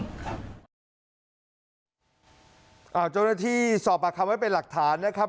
โดยในที่สอบประคันไว้เป็นหลักฐานนะครับ